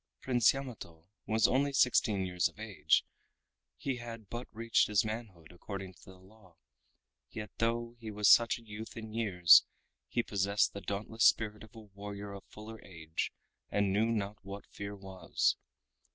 Prince Yamato was only sixteen years of age, he had but reached his manhood according to the law, yet though he was such a youth in years he possessed the dauntless spirit of a warrior of fuller age and knew not what fear was.